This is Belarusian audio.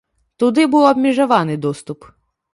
Туды быў абмежаваны доступ.